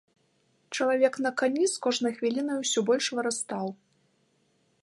Чалавек на кані з кожнай хвілінай усё больш вырастаў.